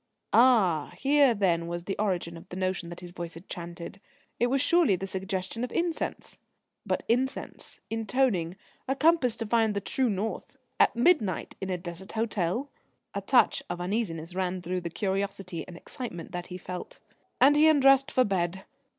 Ah, here then was the origin of the notion that his voice had chanted: it was surely the suggestion of incense. But incense, intoning, a compass to find the true north at midnight in a Desert hotel! A touch of uneasiness ran through the curiosity and excitement that he felt. And he undressed for bed.